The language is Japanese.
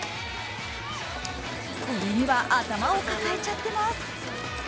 これには頭を抱えちゃっています。